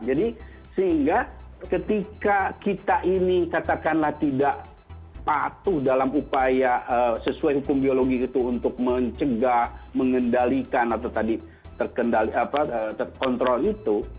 jadi sehingga ketika kita ini katakanlah tidak patuh dalam upaya sesuai hukum biologi itu untuk mencegah mengendalikan atau tadi terkendali atau terkontrol itu